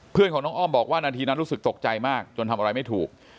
เพื่อนของน้องอ้อมบอกว่านาทีนั้นรู้สึกตกใจมากจนทำอะไรไม่ถูก